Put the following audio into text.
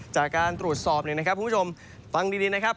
จากการตรวจสอบเนี่ยนะครับคุณผู้ชมฟังดีนะครับ